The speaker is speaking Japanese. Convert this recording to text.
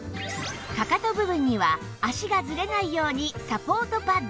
かかと部分には足がずれないようにサポートパッド